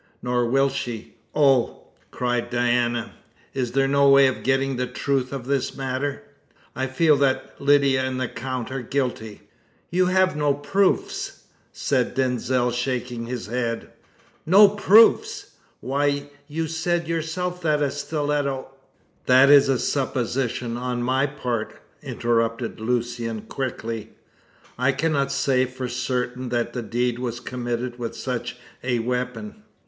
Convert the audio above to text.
"Nor will she. Oh!" cried Diana, "is there no way of getting at the truth of this matter? I feel certain that Lydia and the Count are guilty!" "You have no proofs," said Denzil, shaking his head. "No proofs! Why, you said yourself that a stiletto " "That is a supposition on my part," interrupted Lucian quickly. "I cannot say for certain that the deed was committed with such a weapon.